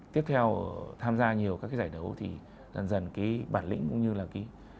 tiếp theo tham gia nhiều các giải đấu thì dần dần cái bản lĩnh cũng như là ký